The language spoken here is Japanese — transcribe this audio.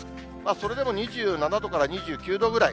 それでも２７度から２９度ぐらい。